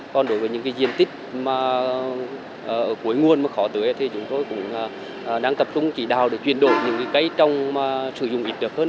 còn đối với những diện tích mà ở cuối nguồn mà khó tưới thì chúng tôi cũng đang tập trung chỉ đào để chuyển đổi những cây trồng mà sử dụng ít được hơn